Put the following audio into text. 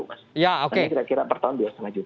kira kira per tahun rp dua lima ratus